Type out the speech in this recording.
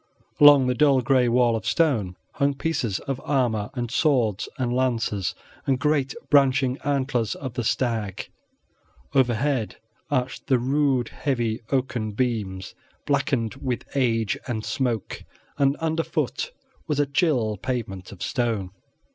Along the dull gray wall of stone hung pieces of armor, and swords and lances, and great branching antlers of the stag. Overhead arched the rude, heavy, oaken beams, blackened with age and smoke, and underfoot was a chill pavement of stone.